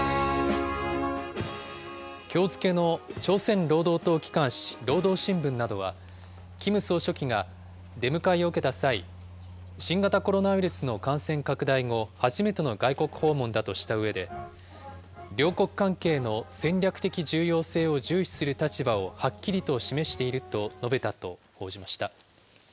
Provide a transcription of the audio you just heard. きょう付けの朝鮮労働党機関紙、労働新聞などは、キム総書記が出迎えを受けた際、新型コロナウイルスの感染拡大後、初めての外国訪問だとしたうえで、両国関係の戦略的重要性を重視する立場をはっきりと示していると述べたと報じました。